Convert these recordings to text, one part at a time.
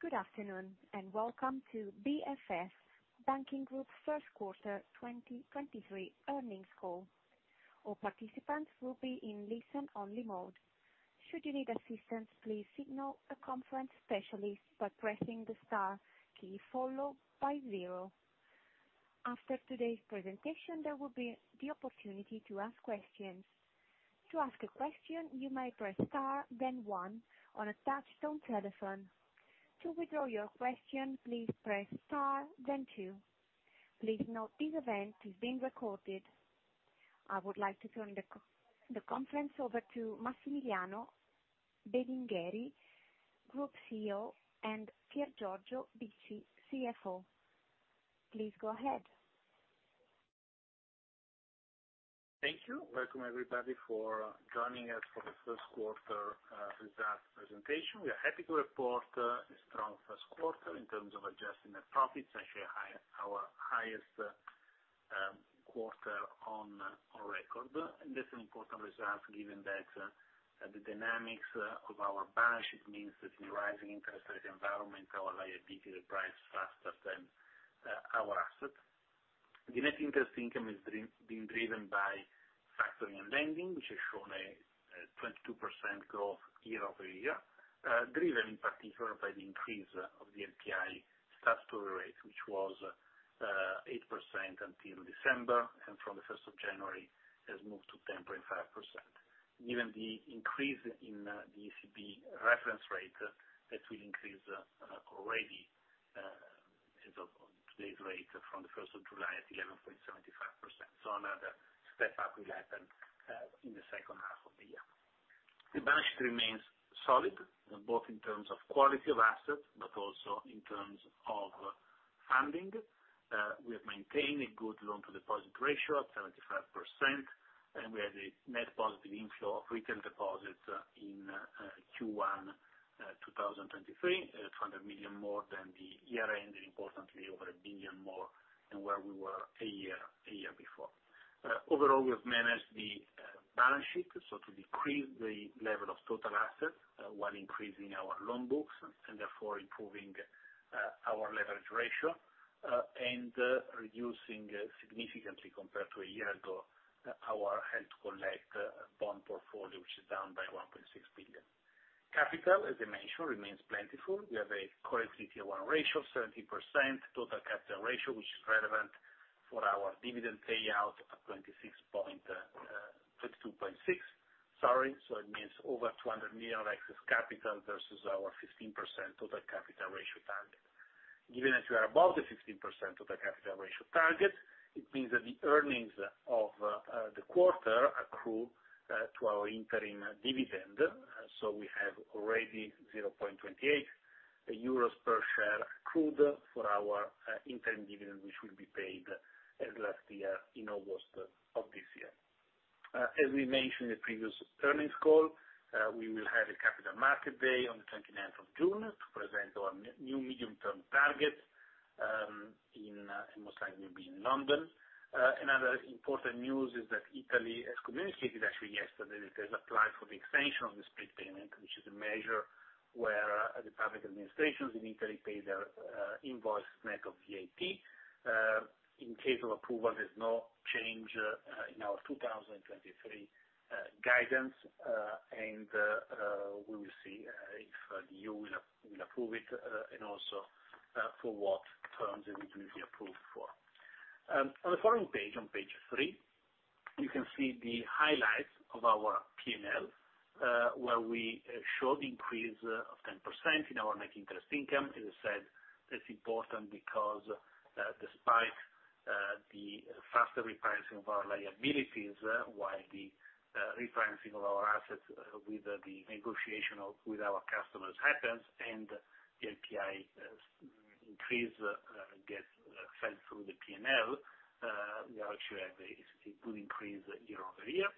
Good afternoon and welcome to BFF Banking Group Q1 2023 earnings call. All participants will be in listen only mode. Should you need assistance, please signal a conference specialist by pressing the star key followed by zero. After today's presentation, there will be the opportunity to ask questions. To ask a question, you may press star then one on a touch-tone telephone. To withdraw your question, please press star then two. Please note this event is being recorded. I would like to turn the conference over to Massimiliano Belingheri, Group CEO, and Piergiorgio Bicci, the CFO. Please go ahead. Thank you. Welcome everybody for joining us for the Q1 results presentation. We are happy to report a strong Q1 in terms of adjusting net profits, actually our highest quarter on record. That's an important result given that the dynamics of our balance sheet means that in a rising interest rate environment, our liability price faster than our assets. The net interest income is being driven by factoring and lending, which has shown a 22% growth year-over-year, driven in particular by the increase of the LPI statutory rate, which was 8% until December, and from the 1st of January has moved to 10.5%. Given the increase in the ECB reference rate, that will increase already as of today's rate from the 1st of July at 11.75%. Another step up will happen in the H2 of the year. The balance sheet remains solid, both in terms of quality of assets, but also in terms of funding. We have maintained a good loan-to-deposit ratio of 75%, and we have a net positive inflow of retail deposits in Q1 2023, 200 million more than the year-end, and importantly over 1 billion more than where we were a year before. Overall, we have managed the balance sheet, so to decrease the level of total assets, while increasing our loan books and therefore improving our leverage ratio, and reducing significantly compared to a year ago, our held to collect bond portfolio, which is down by 1.6 billion. Capital, as I mentioned, remains plentiful. We have a current CET1 ratio of 70%, total capital ratio, which is relevant for our dividend payout of 22.6, sorry. It means over 200 million of excess capital versus our 15% total capital ratio target. Given that we are above the 15% total capital ratio target, it means that the earnings of the quarter accrue to our interim dividend. We have already 0.28 euros per share accrued for our interim dividend, which will be paid as last year in August of this year. As we mentioned in the previous earnings call, we will have a capital market day on the 29th of June to present our new medium-term targets, in it'll most likely be in London. Another important news is that Italy has communicated, actually yesterday, that it has applied for the extension of the split payment, which is a measure where the public administrations in Italy pay their invoice smack of VAT. In case of approval, there's no change in our 2023 guidance, and we will see if the EU will approve it, and also for what terms it will be approved for. On the following page, on page three, you can see the highlights of our P&L, where we show the increase of 10% in our net interest income. As I said, that's important because, despite the faster repricing of our liabilities while the repricing of our assets with the negotiation of, with our customers happens and the API increase get fed through the P&L, we actually have a good increase year-over-year.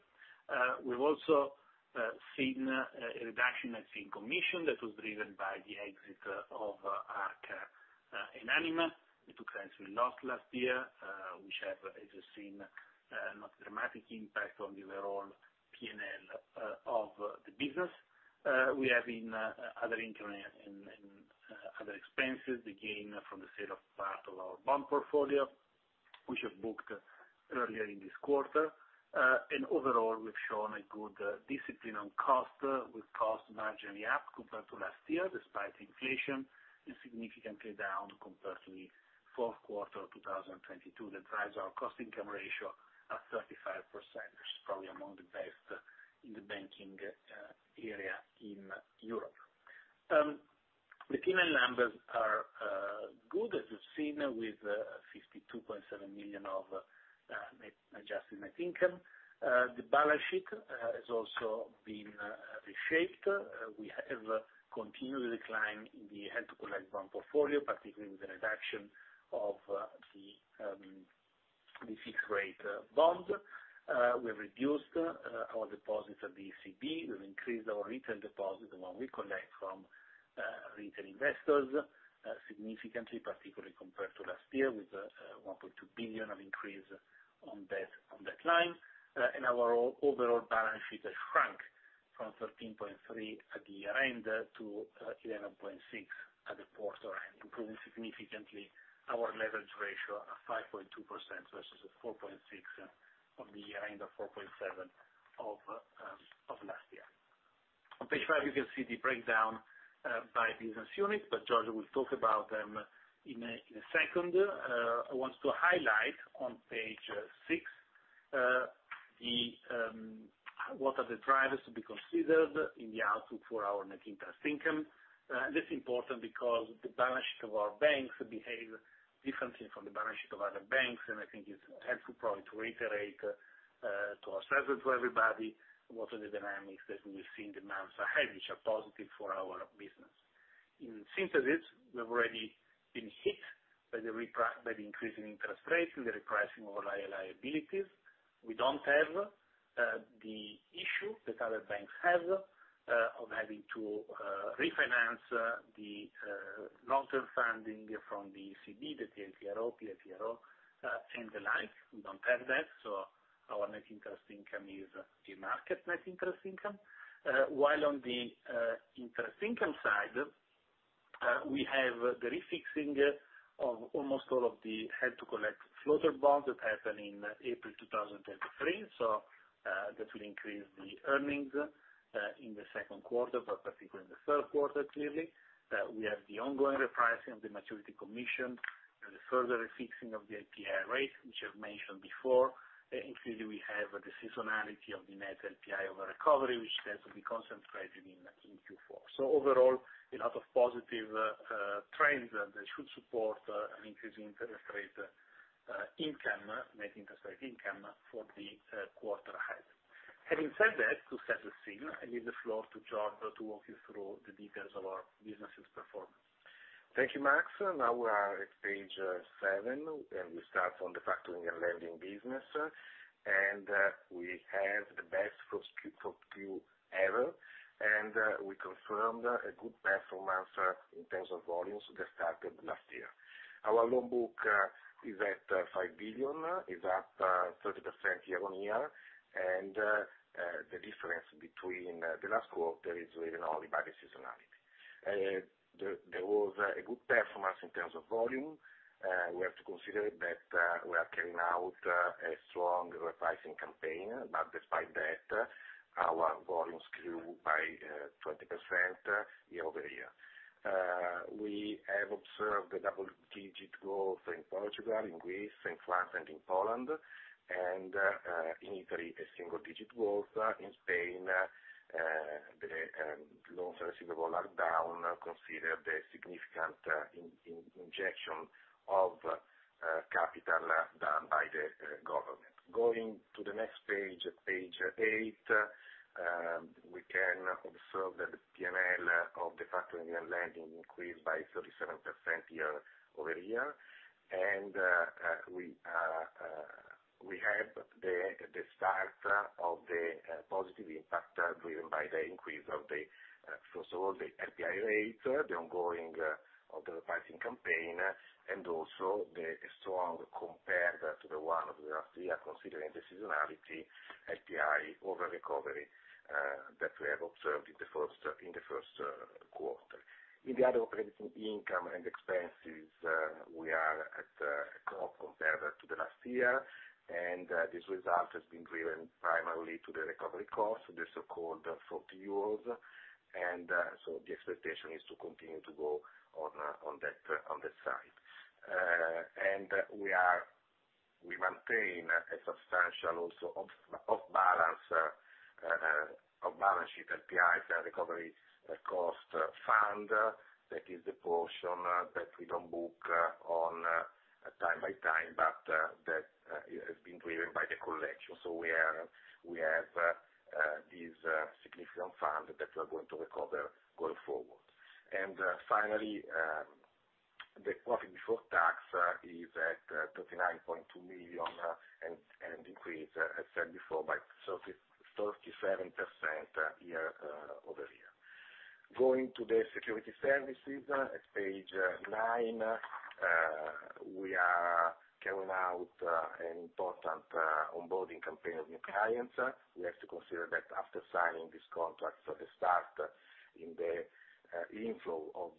We've also seen a reduction in fee and commission that was driven by the exit of Arca in Anima. We took actually loss last year, which have, as you've seen, not dramatic impact on the overall P&L of the business. We have in other income and other expenses, the gain from the sale of part of our bond portfolio, which was booked earlier in this quarter. Overall, we've shown a good discipline on cost with cost margin up compared to last year, despite inflation is significantly down compared to the fourth quarter of 2022. That drives our cost income ratio at 35%, which is probably among the best in the banking area in Europe. The P&L numbers are good, as you've seen, with 52.7 million of net adjusted net income. The balance sheet has also been reshaped. We have continued the decline in the held to collect bond portfolio, particularly with the reduction of the fixed rate bond. We've reduced our deposits at the ECB. We've increased our retail deposit, the one we collect from retail investors significantly, particularly compared to last year, with 1.2 billion of increase on debt, on decline. Our overall balance sheet has shrunk from 13.3 at the year-end to 11.6 at the quarter end, improving significantly our leverage ratio of 5.2% versus the 4.6 of the year-ends, or 4.7 of last year. On page five, you can see the breakdown by business unit, but Giorgio will talk about them in a second. I want to highlight on page six, the what are the drivers to be considered in the outlook for our net interest income. This important because the balance sheet of our banks behave differently from the balance sheet of other banks, I think it's helpful probably to reiterate to ourselves and to everybody, what are the dynamics that we see in the months ahead, which are positive for our business. In synthesis, we have already been hit by the increase in interest rates and the repricing of our liabilities. We don't have the issue that other banks have of having to refinance the long-term funding from the ECB, the TLTRO, PELTROs, and the like. We don't have that; our net interest income is the market net interest income. While on the interest income side, we have the refixing of almost all of the held to collect floater bonds that happened in April 2023. That will increase the earnings in the Q2, but particularly in the Q3, clearly. We have the ongoing repricing of the maturity commission and the further refixing of the LPI rate, which I've mentioned before. Clearly, we have the seasonality of the net LPI over recovery, which tends to be concentrated in Q4. Overall, a lot of positive trends that should support an increase in interest rate income, net interest rate income for the quarter ahead. Having said that, to set the scene, I leave the floor to Giorgio to walk you through the details of our business's performance. Thank you, Max. Now we are at page seven, we start on the factoring and lending business. We have the best first Q2 ever, we confirmed a good performance in terms of volumes that started last year. Our loan book is at 5 billion, is up 30% year-on-year, the difference between the last quarter is driven only by the seasonality. There was a good performance in terms of volume. We have to consider that we are carrying out a strong repricing campaign. Despite that, our volumes grew by 20% year-over-year. We have observed a double-digit growth in Portugal, in Greece, in France, and in Poland, in Italy, a single digit growth. In Spain, the loans receivable are down, considering the significant injection of capital done by the government. Going to the next page eight, we can observe that the PNL of the factoring and lending increased by 37% year-over-year. We have the start of the positive impact driven by the increase of the, first of all, the LPI rate, the ongoing of the repricing campaign, and also the strong compared to the one of the last year, considering the seasonality LPI over recovery that we have observed in the Q1. In the other operating income and expenses, we are at a cost compared to the last year. This result has been driven primarily to the recovery costs, the so-called 40 euros. The expectation is to continue to go on that on that side. We maintain a substantial also off-balance sheet LPI recovery cost fund. That is the portion that we don't book on time by time, but that has been driven by the collection. We have this significant fund that we are going to recover going forward. Finally, the profit before tax is at 39.2 million and increased, as said before, by 37% year-over-year. Going to the security services at page nine, we are carrying out an important onboarding campaign with clients. We have to consider that after signing this contract. The start in the inflow of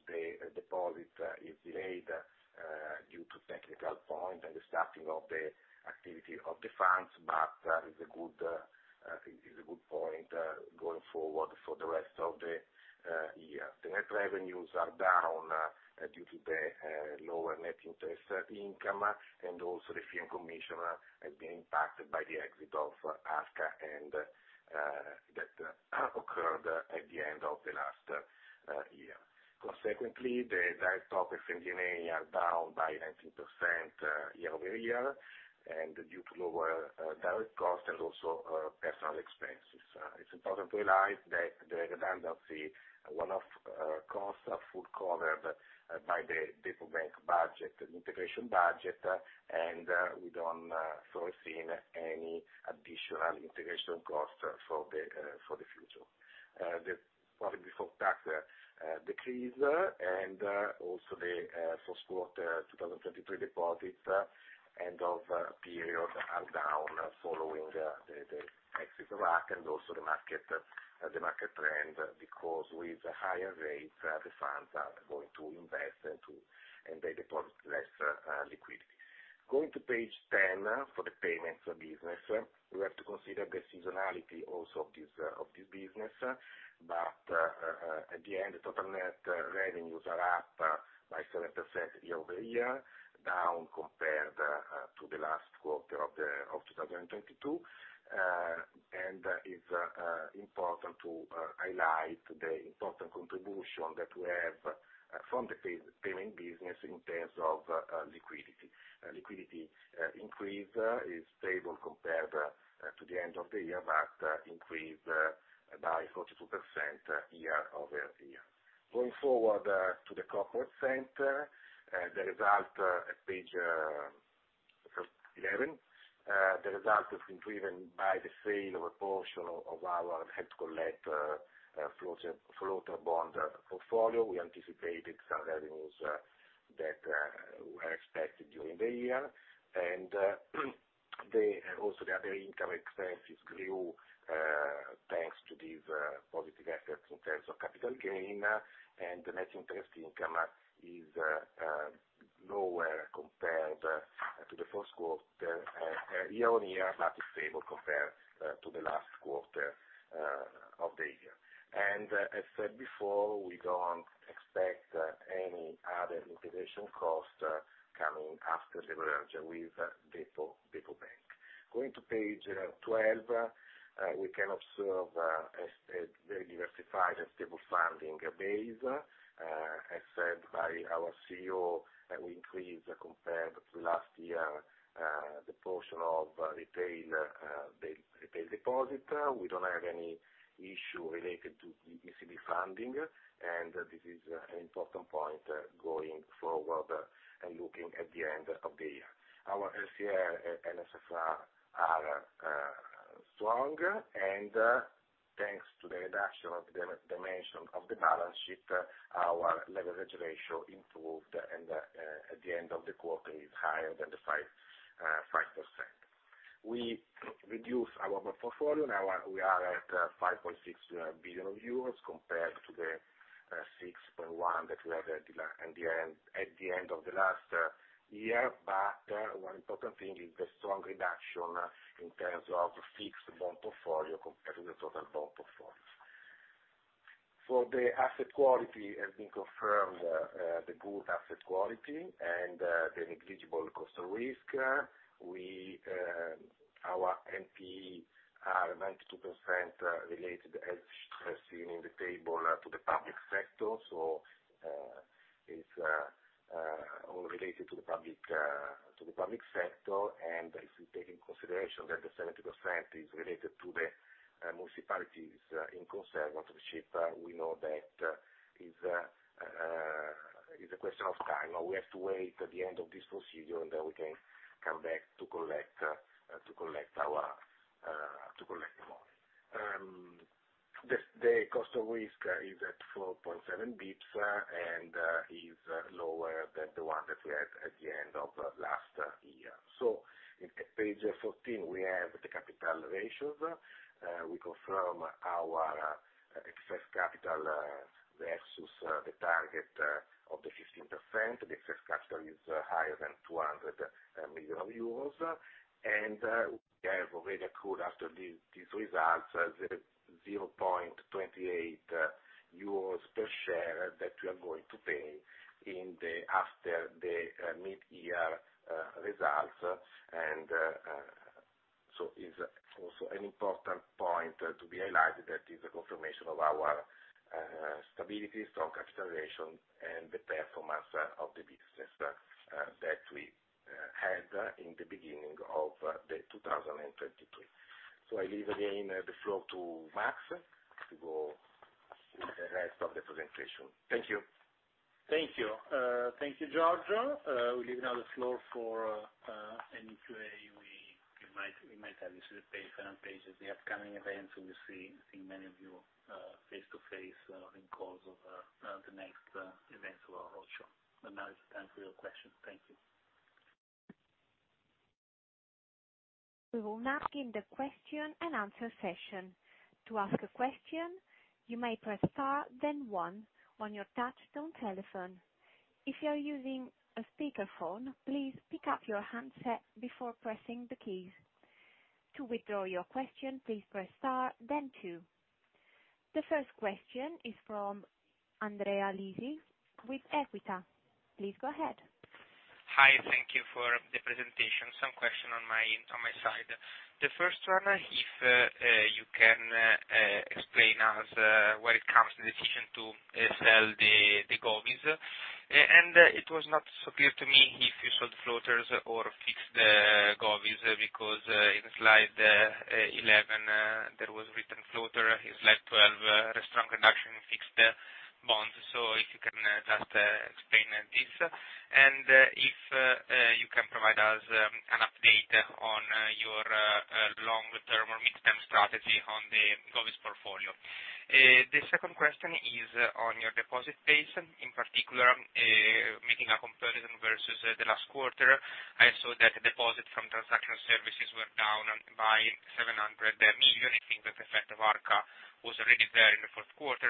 the deposit is delayed due to technical point and the starting of the activity of the funds. I think is a good point going forward for the rest of the year. The net revenues are down due to the lower net interest income and also the fee and commission has been impacted by the exit of Arca and that occurred at the end of the last year. Consequently, the direct operating income are down by 19% year-over-year and due to lower direct costs and also personal expenses. It's important to realize that the redundancy, one-off costs are fully covered by the bank budget, integration budget, and we don't foresee any additional integration costs for the future. Decrease and also the Q1 2023 deposits, end of period are down following the exit of Arca and also the market trend, because with higher rates, the funds are going to invest and they deposit less liquidity. Going to page 10 for the payments business, we have to consider the seasonality also of this business. At the end, total net revenues are up by 7% year-over-year, down compared to the last quarter of 2022. It's important to highlight the important contribution that we have from the payments business in terms of liquidity. Liquidity increase is stable compared to the end of the year but increase by 42% year-over-year. Going forward to the corporate center, the result at page 11. The result has been driven by the sale of a portion of our held to collect floater bond portfolio. We anticipated some revenues that were expected during the year. Also, the other income expenses grew thanks to these positive aspects in terms of capital gain. The net interest income is lower compared to the Q1 year-on-year but is stable compared to the last quarter of the year. As said before, we don't expect any other integration cost coming after the merger with DEPObank. Going to page 12, we can observe a very diversified and stable funding base. As said by our CEO, we increased compared to last year, the portion of retail, the retail deposit. We don't have any issue related to ECB funding, and this is an important point going forward, and looking at the end of the year. Our LCR and NSFR are strong. Thanks to the reduction of dimension of the balance sheet, our leverage ratio improved and, at the end of the quarter is higher than the 5%. We reduced our portfolio. Now we are at 5.6 billion euros compared to the 6.1 that we had at the. At the end of the last year. One important thing is the strong reduction in terms of fixed bond portfolio compared to the total bond portfolio. The asset quality has been confirmed, the good asset quality and the negligible cost of risk. We, our NPE are 92% related, as seen in the table, to the public sector. It's all related to the public, to the public sector. If you take in consideration that the 70% is related to the municipalities in conservatorship, we know that is a question of time. We have to wait at the end of this procedure, and then we can come back to collect, to collect our, to collect the money. The cost of risk is at 4.7 bps and is lower than the one that we had at the end of last year. At page 14, we have the capital ratios. We confirm our excess capital versus the target of the 15%. The excess capital is higher than 200 million euros. We have already accrued after these results, 0.28 euros per share that we are going to pay in the after the mid-year results. Is also an important point to be highlighted. That is a confirmation of our stability, strong capitalization, and the performance of the business that we had in the beginning of 2023. I leave again the floor to Max to go with the rest of the presentation. Thank you. Thank you. Thank you, Giorgio. We leave now the floor for any QA we might have. This is the page, final page is the upcoming events, so we'll see many of you face-to-face in course of the next events of our roadshow. Now it's the time for your questions. Thank you. We will now begin the question-and-answer session. To ask a question, you may press star then one on your touch tone telephone. If you are using a speakerphone, please pick up your handset before pressing the keys. To withdraw your question, please press star then two. The first question is from Andrea Lisi with Equita. Please go ahead. Hi. Thank you for the presentation. Some question on my side. The first one, if you can explain us when it comes to the decision to sell the Govs. It was not so clear to me if you sold floaters or fixed bonds. In slide 11 there was written floater. In slide 12, restaurant reduction fixed bonds. If you can just explain this. If you can provide us an update on your long-term or mid-term strategy on the BTPs portfolio. The second question is on your deposit base, in particular, making a comparison versus the last quarter. I saw that deposits from transaction services were down by 700 million. I think the effect of Arca was already there in the fourth quarter.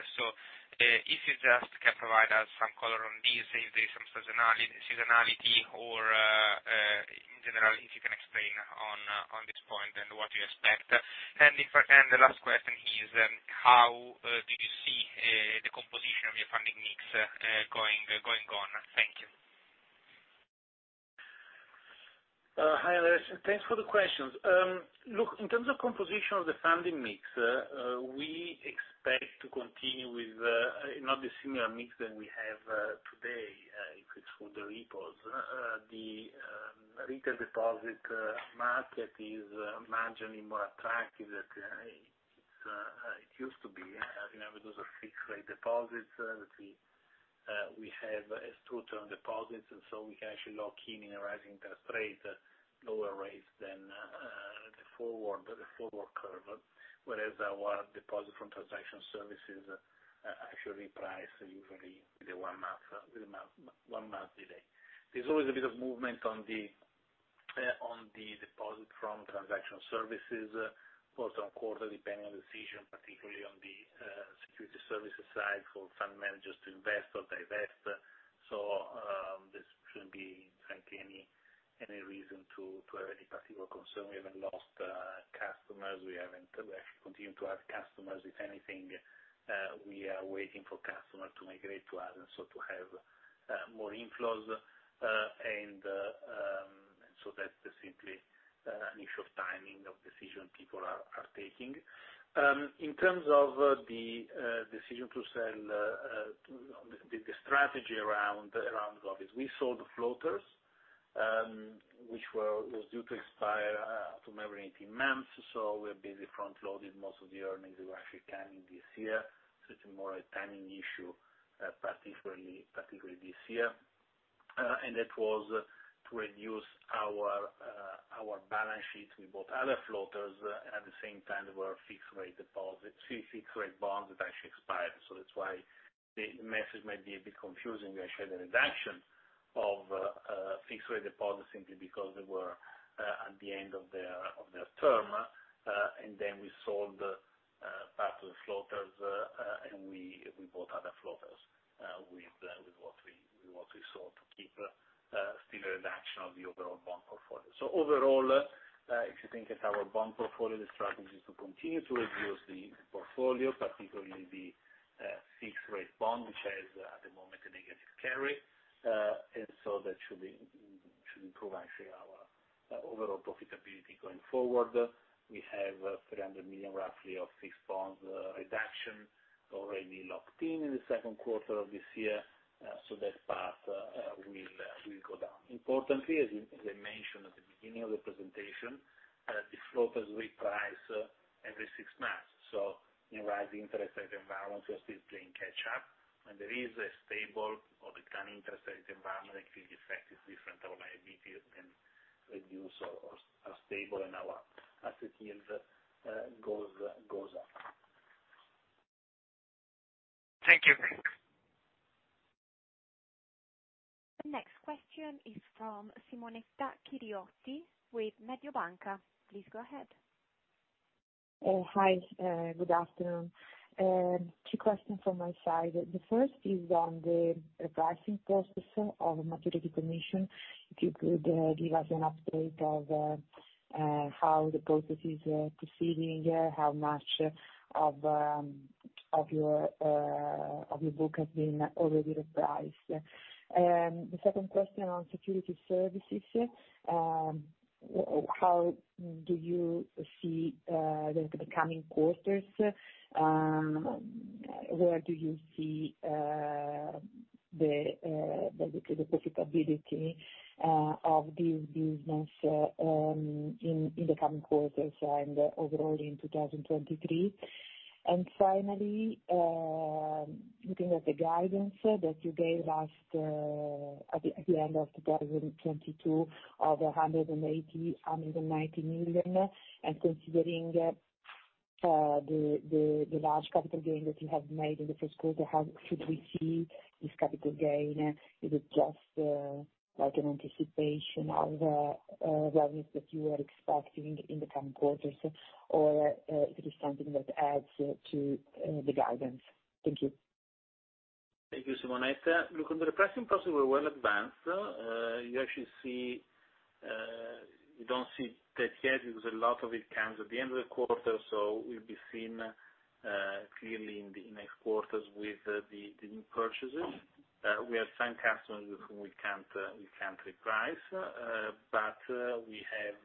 If you just can provide us some color on this, if there's some seasonality or, in general, if you can explain on this point and what you expect. The last question is, how do you see the composition of your funding mix going on? Thank you. Hi, Andrea. Thanks for the questions. Look, in terms of composition of the funding mix, we expect to continue with not the similar mix than we have today, if it's for the repos. The retail deposit market is marginally more attractive than it used to be. You know, those are fixed rate deposits. We have short-term deposits, and so we can actually lock in a rising interest rate, lower rates than the forward curve. Whereas our deposit from transaction services actually price usually the one-month delay. There's always a bit of movement on the deposit from transactional services, quarter-on-quarter, depending on the decision, particularly on the security services side for fund managers to invest or divest. This shouldn't be frankly, any reason to have any particular concern. We haven't lost customers. We haven't actually continued to add customers. If anything, we are waiting for customers to migrate to us, so to have more inflows. That's simply an issue of timing of decision people are taking. In terms of the decision to sell the strategy around BTPs. We sold floaters, which was due to expire from every 18 months. We've been front loading most of the earnings we actually can in this year. It's more a timing issue, particularly this year. That was to reduce our balance sheet. We bought other floaters at the same time there were fixed rate deposits. Fixed rate bonds that actually expired. That's why the message might be a bit confusing. We actually had a reduction of fixed rate deposits simply because they were at the end of their term. We sold part of the floaters and we bought other floaters with what we sold to keep still a reduction of the overall bond portfolio. Overall, if you think it's our bond portfolio, the strategy is to continue to reduce the portfolio, particularly the fixed rate bond, which has, at the moment, a negative carry. That should improve actually our overall profitability going forward. We have 300 million roughly of fixed bonds reduction already locked in the Q2 of this year. That path will go down. Importantly, as I mentioned at the beginning of the presentation, the floaters reprice every six months. In a rising interest rate environment, we're still playing catch up. When there is a stable or declining interest rate environment, actually the effect is different on liabilities and reduce or are stable and our asset yield goes up. Thank you. The next question is from Simonetta Chiriotti with Mediobanca. Please go ahead. Hi, good afternoon. Two questions from my side. The first is on the repricing process of maturity commission. If you could give us an update of how the process is proceeding. How much of your book has been already repriced. The second question on security services. How do you see the coming quarters? Where do you see basically the profitability of this business in the coming quarters and overall in 2023? Finally, looking at the guidance that you gave last, at the end of 2022 of 180 million-190 million, considering the large capital gain that you have made in the Q1, how should we see this capital gain? Is it just like an anticipation of revenues that you are expecting in the coming quarters? Or it is something that adds to the guidance? Thank you. Thank you, Simonetta. Look, on the repricing process, we're well advanced. You actually see, you don't see that yet because a lot of it comes at the end of the quarter, so will be seen clearly in the next quarters with the new purchases. We have some customers with whom we can't reprice. But we have,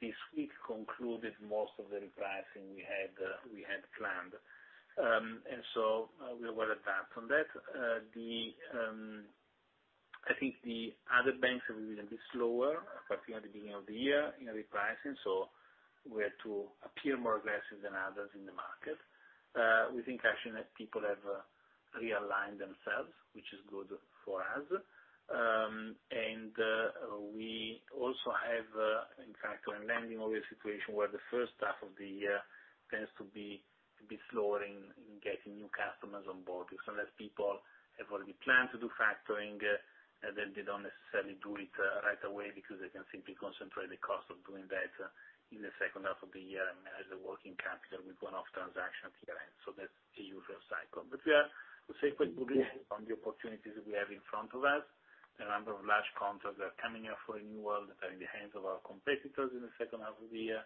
this week concluded most of the repricing we had planned. We are well advanced on that. I think the other banks have been a bit slower, particularly at the beginning of the year in repricing, so we had to appear more aggressive than others in the market. We think actually that people have realigned themselves, which is good for us. We also have, in fact, in lending over a situation where the H1 of the year tends to be slower in getting new customers on board, because unless people have already planned to do factoring, then they don't necessarily do it right away because they can simply concentrate the cost of doing that in the H2 of the year and as a working capital with one-off transaction at the end. That's the usual cycle. We are, I would say, quite bullish on the opportunities we have in front of us. The number of large contracts that are coming up for renewal that are in the hands of our competitors in the H2 of the year.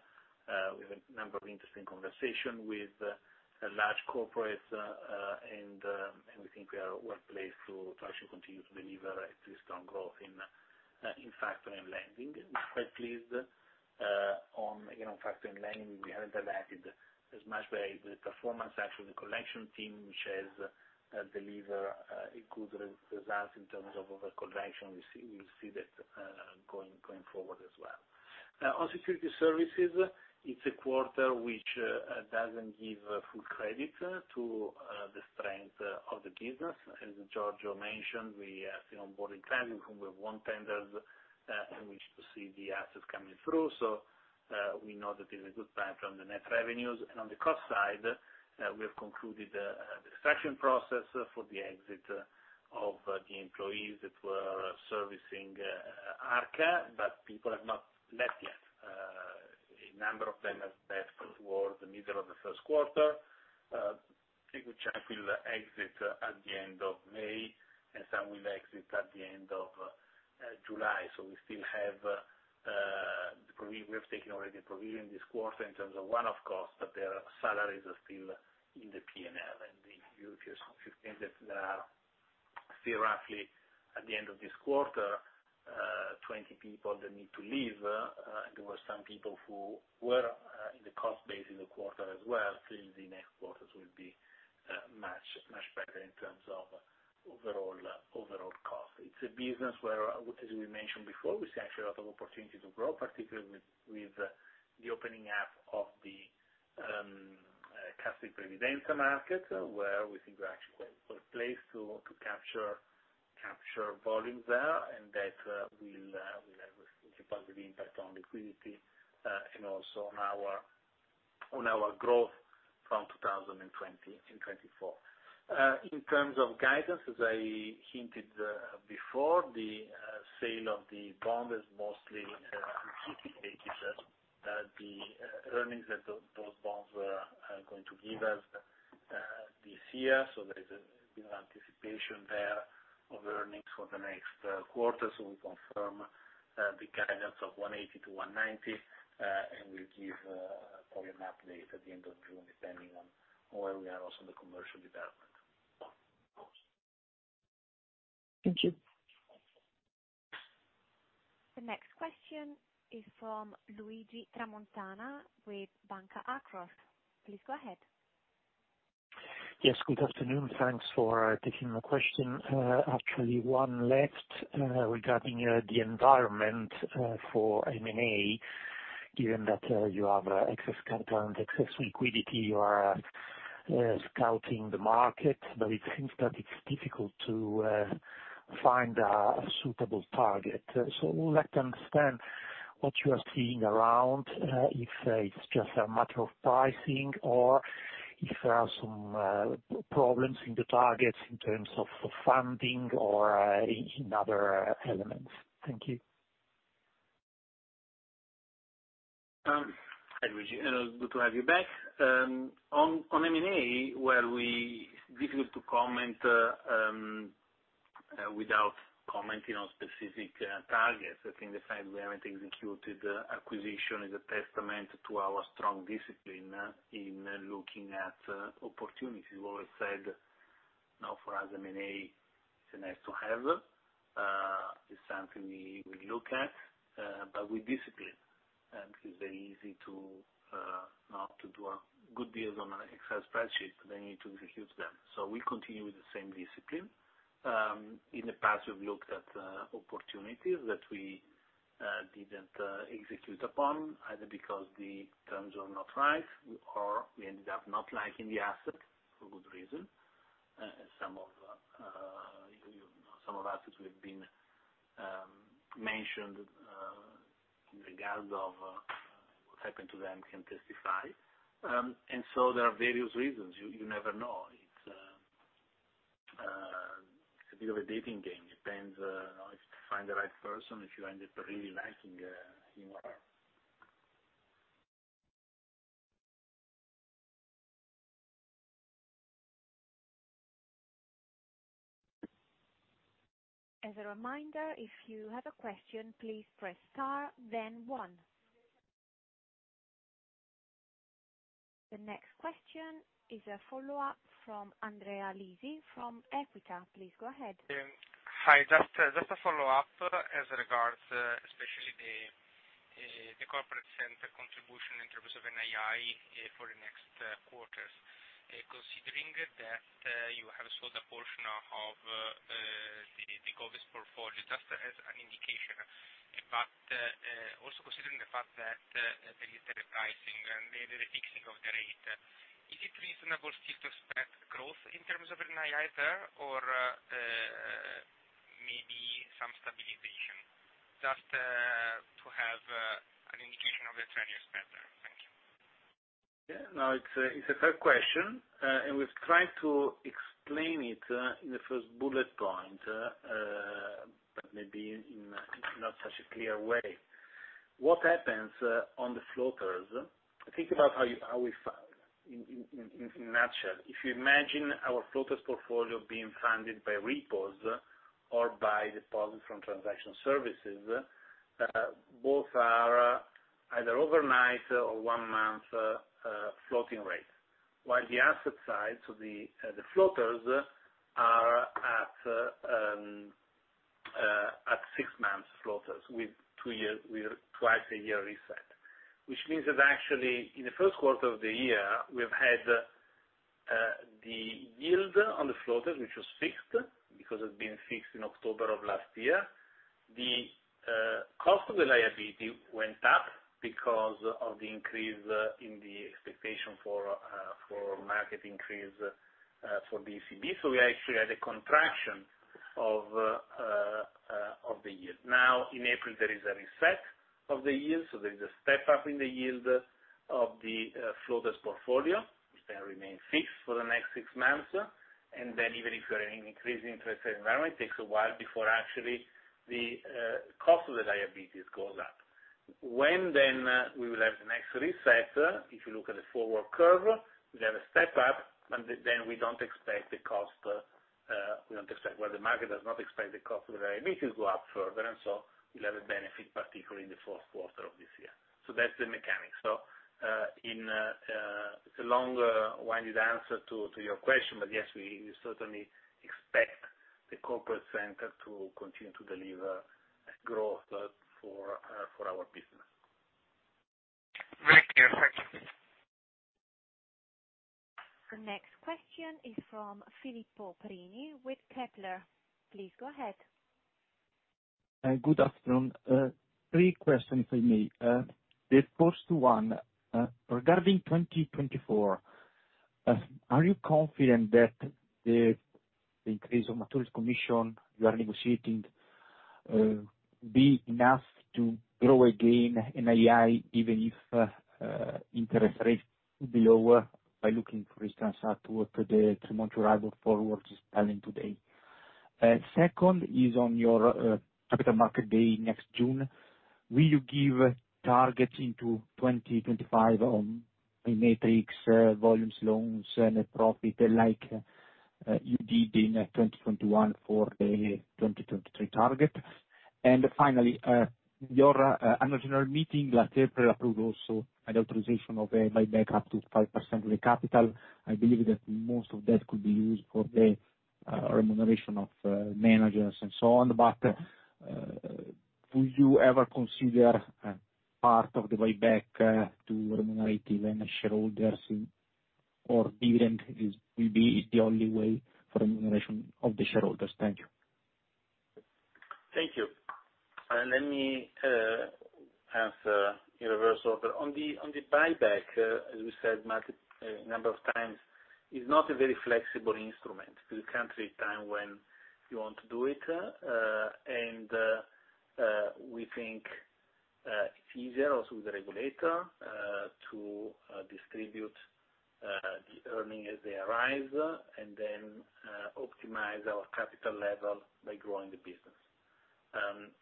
We have a number of interesting conversation with large corporates. We think we are well placed to actually continue to deliver a strong growth in factoring and lending. We're quite pleased on, again, on factoring and lending. We haven't added as much by the performance actually of the collection team, which has delivered a good results in terms of overall collection. We will see that going forward as well. On security services, it's a quarter which doesn't give full credit to the strength of the business. As Giorgio mentioned, we have seen onboarding clients with whom we have won tenders in which to see the assets coming through. We know that there's a good time from the net revenues. On the cost side, we have concluded the extraction process for the exit of the employees that were servicing Arca, but people have not left yet. A number of them have left towards the middle of the Q1, exit at the end of May, and some will exit at the end of July. We still have the provision. We have taken already a provision this quarter in terms of one-off costs, but their salaries are still in the P&L. The 15 that are still roughly at the end of this quarter, 20 people that need to leave. There were some people who were in the cost base in the quarter as well. In the next quarters will be much, much better in terms of overall cost. It's a business where, as we mentioned before, we see actually a lot of opportunities to grow, particularly with the Casse di Previdenza market, where we think we're actually quite well placed to capture volumes there. That will have a positive impact on liquidity and also on our growth from 2020 in 2024. In terms of guidance, as I hinted before, the sale of the bond is mostly anticipated. The earnings that those bonds were going to give us this year. There is a bit of anticipation there of earnings for the next quarter. We confirm the guidance of 180-190, and we'll give probably an update at the end of June, depending on where we are also in the commercial development. Thank you. The next question is from Luigi Tramontana with Banca Akros. Please go ahead. Yes, good afternoon. Thanks for taking my question. Actually one last, regarding the environment for M&A, given that you have excess capital and excess liquidity, you are scouting the market, but it seems that it's difficult to find a suitable target. Would like to understand what you are seeing around, if it's just a matter of pricing or if there are some problems in the targets in terms of funding or in other elements. Thank you. Hi, Luigi, good to have you back. On, on M&A, well, Difficult to comment without commenting on specific targets. I think the fact we haven't executed acquisition is a testament to our strong discipline in looking at opportunities. We've always said, you know, for us, M&A is a nice to have. It's something we look at, but with discipline. It's very easy to not to do a good deals on an Excel spreadsheet, but then you need to execute them. We continue with the same discipline. In the past, we've looked at opportunities that we didn't execute upon, either because the terms are not right or we ended up not liking the asset for good reason. Some of you know, some of assets we've been mentioned in regards of what's happened to them can testify. There are various reasons. You never know. It's a bit of a dating game. It depends if to find the right person, if you end up really liking him or her. As a reminder, if you have a question, please press star then one. The next question is a follow-up from Andrea Lisi from Equita. Please go ahead. Hi, just a follow-up as regards especially the corporate center contribution in terms of NII for the next quarters. Considering that you have sold a portion of the Goldies portfolio, just as an indication, in fact, also considering the fact that there is the repricing and the fixing of the rate. Is it reasonable still to expect growth in terms of NII there or maybe some stabilization? Just to have an indication of the trend you expect there. Thank you. Yeah, no, it's a fair question, and we've tried to explain it in the 1st bullet point, but maybe in not such a clear way. What happens on the floaters, think about how you, how we in nutshell, if you imagine our floaters portfolio being funded by repos or by deposits from transaction services, both are either overnight or one-month floating rate. While the asset side to the floaters are at six months floaters with twice a year reset. Which means that actually, in the Q1 of the year, we've had the yield on the floaters, which was fixed, because it had been fixed in October of last year. The cost of the liability went up because of the increase in the expectation for market increase for ECB. We actually had a contraction of the year. Now, in April, there is a reset of the year, there is a step up in the yield of the floaters portfolio, which then remain fixed for the next six months. Even if you're in an increasing interest rate environment, takes a while before actually the cost of the liabilities goes up. When then we will have the next reset, if you look at the forward curve, we have a step up, then we don't expect the cost, we don't expect. The market does not expect the cost of the liability to go up further, we'll have a benefit, particularly in the fourth quarter of this year. That's the mechanics. It's a long-winded answer to your question, but yes, we certainly expect the corporate center to continue to deliver growth for our business. Thank you. Thank you. The next question is from Filippo Prini with Kepler. Please go ahead. Good afternoon. Three questions from me. The first one, regarding 2024, are you confident that the increase of materials commission you are negotiating, be enough to grow again NII even if interest rates will be lower by looking for instance at what the three-month euro forward is telling today? Second is on your capital market day next June. Will you give targets into 2025 on the metrics, volumes, loans, net profit, like you did in 2021 for the 2023 target? Finally, your annual general meeting last April approved also an authorization of a buyback up to 5% of the capital. I believe that most of that could be used for the remuneration of managers and so on. Would you ever consider part of the buyback to remunerate even shareholders or dividend will be the only way for remuneration of the shareholders? Thank you. Thank you. Let me answer in reverse order. On the buyback, as we said a number of times, is not a very flexible instrument. You can't really time when you want to do it, and, we think, it's easier also with the regulator to distribute the earnings as they arise and then optimize our capital level by growing the business.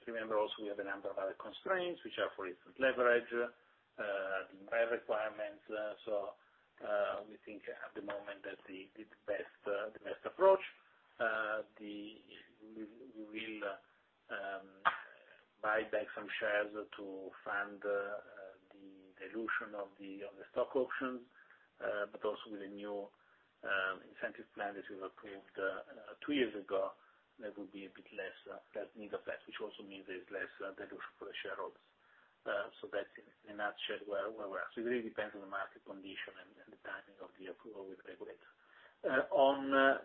Remember also we have a number of other constraints, which are, for instance, leverage, the environment. We think at the moment that the best approach. We will buy back some shares to fund the dilution of the stock options, but also with the new incentive plan that we approved two years ago, there will be a bit less need of that, which also means there's less dilution for the shareholders. That's in a nutshell where we are. It really depends on the market condition and the timing of the approval with the regulator. On the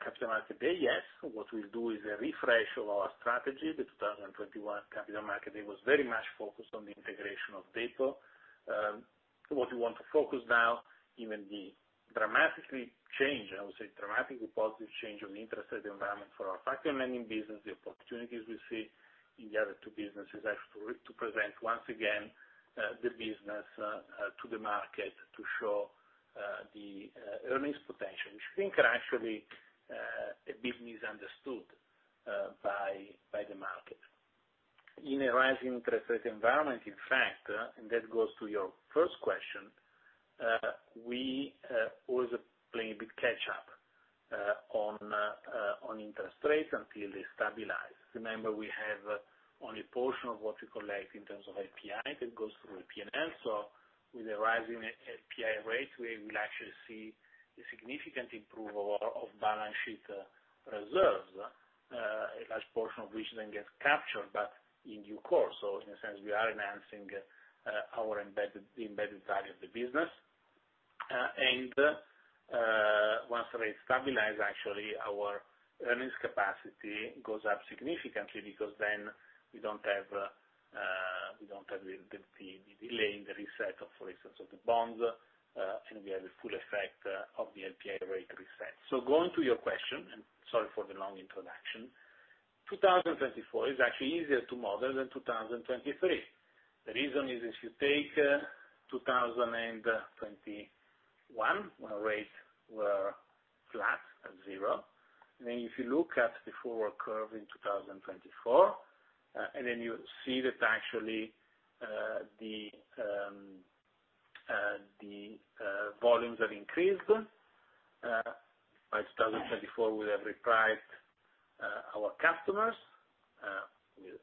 capital market day, yes. What we'll do is a refresh of our strategy. The 2021 capital market day was very much focused on the integration of data. What we want to focus now, even the dramatically change, I would say dramatically positive change of the interest rate environment for our factor lending business, the opportunities we see in the other two businesses actually to present once again the business to the market to show the earnings potential. Which I think are actually a bit misunderstood by the market. In a rising interest rate environment, in fact, and that goes to your first question, we always playing a bit catch up. On interest rates until they stabilize. Remember, we have only a portion of what we collect in terms of API that goes through PNL. With the rising API rate, we will actually see a significant improvement of balance sheet reserves, a large portion of which then gets captured, but in due course. In a sense, we are enhancing the embedded value of the business. Once the rates stabilize, actually, our earnings capacity goes up significantly because we don't have the delay in the reset of, for instance, of the bonds, and we have the full effect of the API rate reset. Going to your question, and sorry for the long introduction, 2024 is actually easier to model than 2023. The reason is if you take 2021, when rates were flat at 0, if you look at the forward curve in 2024, you see that actually the volumes have increased. By 2024, we have repriced our customers.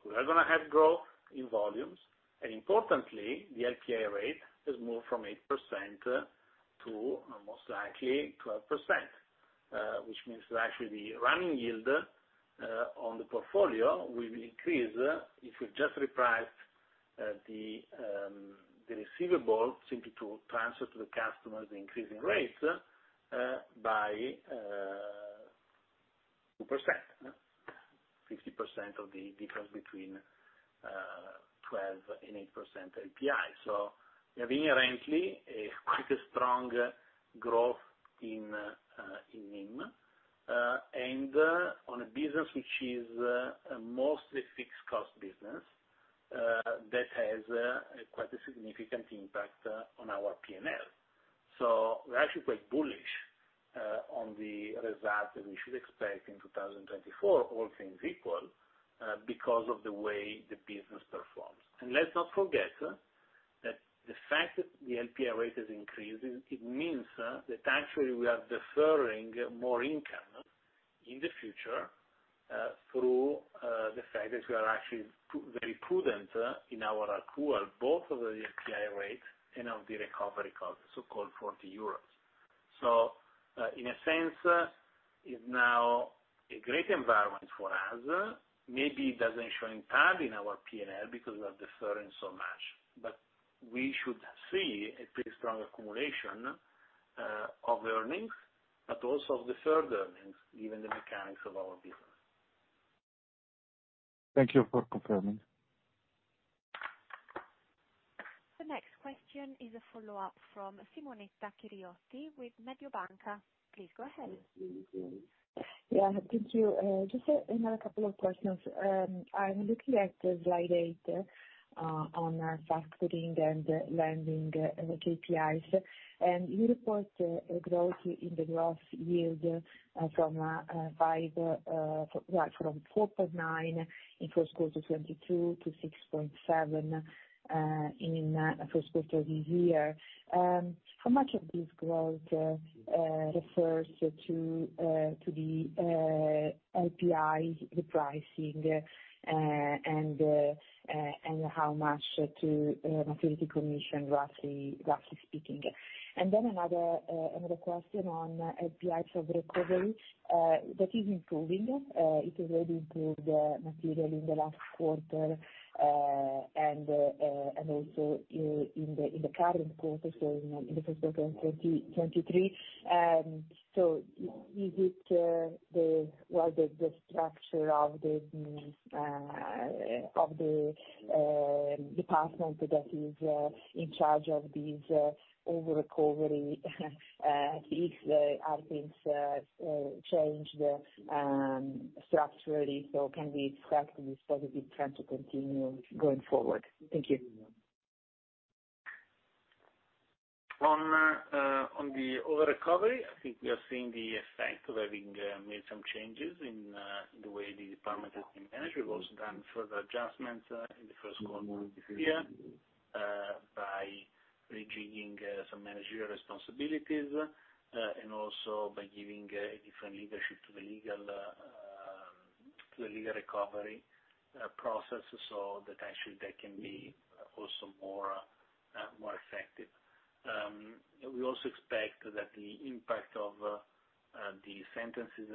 We are gonna have growth in volumes. Importantly, the API rate has moved from 8% to most likely 12%, which means that actually the running yield on the portfolio will increase if we just reprice the receivable simply to transfer to the customers the increasing rates by 2%. 50% of the difference between 12% and 8% API. We have inherently a quite a strong growth in NIM, and, on a business which is mostly fixed cost business, that has quite a significant impact on our PNL. We're actually quite bullish on the results that we should expect in 2024, all things equal, because of the way the business performs. Let's not forget, that the fact that the API rate is increasing, it means that actually we are deferring more income in the future, through, the fact that we are actually very prudent, in our accrual, both of the API rate and of the recovery cost, so-called 40 euros. In a sense, it's now a great environment for us. Maybe it doesn't show in tab in our P&L because we are deferring so much. We should see a pretty strong accumulation, of earnings, but also of deferred earnings, given the mechanics of our business. Thank you for confirming. The next question is a follow-up from Simonetta Chiriotti with Mediobanca. Please go ahead. Yeah, thank you. Just another couple of questions. I'm looking at slide eight on factoring and lending KPIs. You report growth in the gross yield from five, well, from 4.9 in Q1 2022 to 6.7 in Q1 this year. How much of this growth refers to the API repricing and how much to maturity commission, roughly speaking? Another question on APIs of recovery that is improving. It has already improved materially in the last quarter and also in the current quarter, so in the Q1 in 2023. Is it the... Was the structure of the department that is in charge of these over-recovery, if have things changed structurally, so can we expect this positive trend to continue going forward? Thank you. On the over-recovery, I think we are seeing the effect of having made some changes in the way the department has been managed. We've also done further adjustments in the Q1 of this year by rejigging some managerial responsibilities and also by giving a different leadership to the legal to the legal recovery process so that actually they can be also more effective. We also expect that the impact of the sentences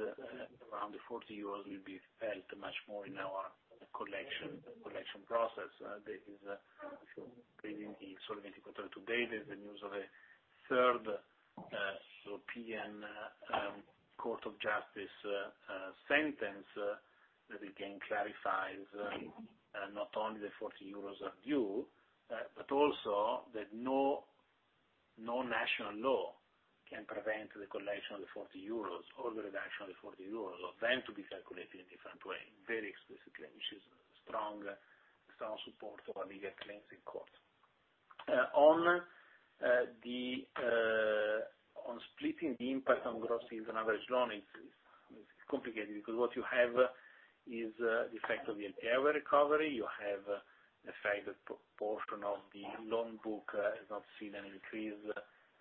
around the forty euros will be felt much more in our collection process. There is, actually reading the Il Sole 24 Ore today, there's the news of a third Court of Justice of the European Union sentence that again clarifies, not only the 40 euros are due, but also that no national law can prevent the collection of the 40 euros or the reduction of the 40 euros, or them to be calculated in a different way, very explicitly, which is strong support of our legal claims in court. On the on splitting the impact on gross yields and average loanings. It's complicated because what you have is the effect of the LPI recovery. You have the fact that proportion of the loan book has not seen any increase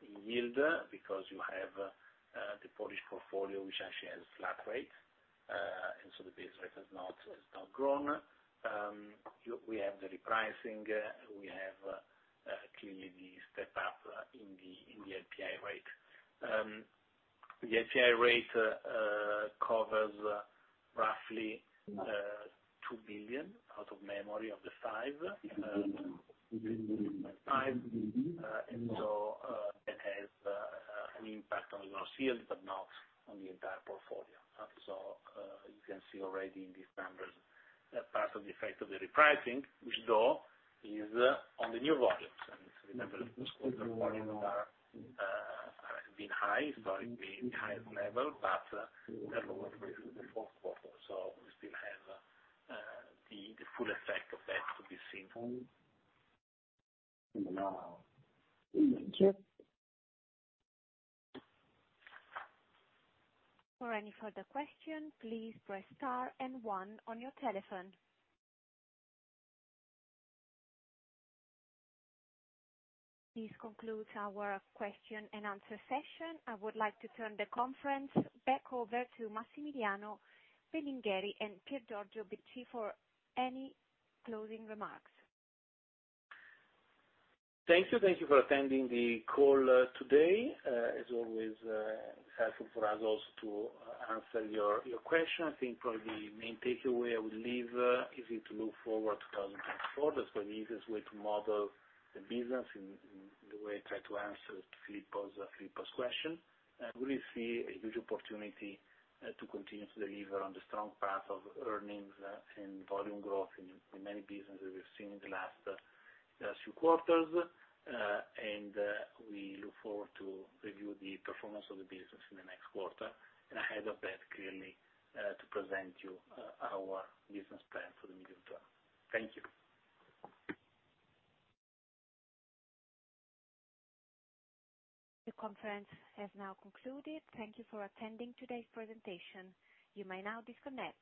in yield because you have the Polish portfolio, which actually has flat rate. The base rate has not, has not grown. We have the repricing. We have clearly the step up in the LPI rate. The LPI rate covers roughly 2 billion, out of memory, of the 5 billion. It has an impact on gross yield, but not on the entire portfolio. You can see already in these numbers a part of the effect of the repricing, which though is on the new volumes. Remember, volumes have been high, so it's been highest level, but they're lower with the fourth quarter, so we still have the full effect of that to be seen. Thank you. For any further question, please press star one on your telephone. This concludes our question-and-answer session. I would like to turn the conference back over to Massimiliano Belingheri and Piergiorgio Bicci for any closing remarks. Thank you. Thank you for attending the call today. As always, helpful for us also to answer your question. I think probably the main takeaway I would leave is it to look forward to 2024. That's probably the easiest way to model the business in the way I try to answer Filippo's question. We see a huge opportunity to continue to deliver on the strong path of earnings and volume growth in many businesses we've seen in the last few quarters. We look forward to review the performance of the business in the next quarter, and ahead of that, clearly, to present you our business plan for the medium term. Thank you. The conference has now concluded. Thank you for attending today's presentation. You may now disconnect.